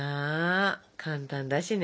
簡単だしね。